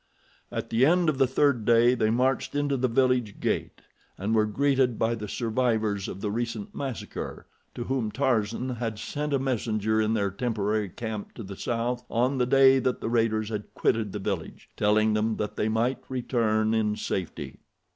At the end of the third day they marched into the village gate, and were greeted by the survivors of the recent massacre, to whom Tarzan had sent a messenger in their temporary camp to the south on the day that the raiders had quitted the village, telling them that they might return in safety.